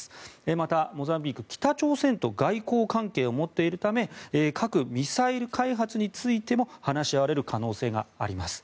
また、モザンビークは北朝鮮と外交関係を持っているため核・ミサイル開発についても話し合われる可能性があります。